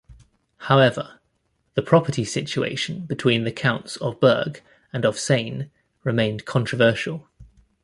However, the property situation between the counts of Berg and of Sayn remained controversial.